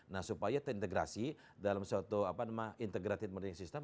nah supaya terintegrasi dalam suatu integrated merching system